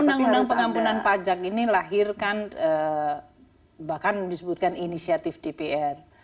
undang undang pengampunan pajak ini lahirkan bahkan disebutkan inisiatif dpr